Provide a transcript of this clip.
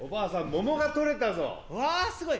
桃が取れたぞ。わすごい！